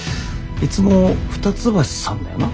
いつも二ツ橋さんだよな？